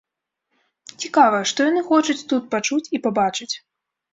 Цікава, што яны хочуць тут пачуць і пабачыць?